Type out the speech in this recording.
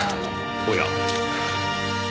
おや。